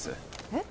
えっ？